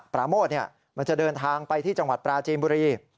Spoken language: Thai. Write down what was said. ปราโมทมันจะเดินทางไปที่จังหวัดปราจีนบุรี